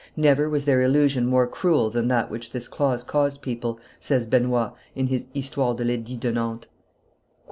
"Never was there illusion more cruel than that which this clause caused people," says Benoit, in his Histoire de l'Edit de Nantes."